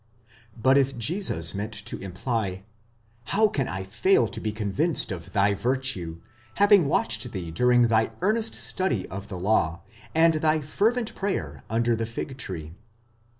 But if Jesus meant to imply, "How can I fail to be convinced of thy virtue, having watched thee during thy ear nest study of the law, and thy fervent prayer under the fig tree